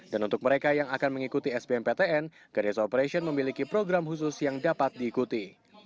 dan untuk mereka yang akan mengikuti sbmptn ganesha operation memiliki program khusus yang dapat diikuti